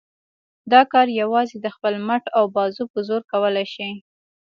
دا کار یوازې د خپل مټ او بازو په زور کولای شي.